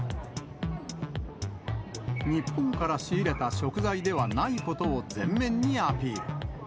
日本から仕入れた食材ではないことを前面にアピール。